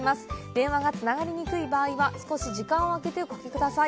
電話がつながりにくい場合は少し時間を空けておかけください。